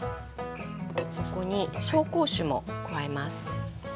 そこに紹興酒も加えます。